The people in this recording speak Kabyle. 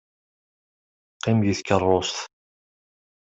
Qqim deg tkeṛṛust.